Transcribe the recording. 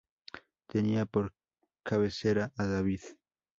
Tenía por cabecera a David.